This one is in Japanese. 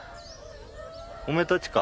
おめえたちか？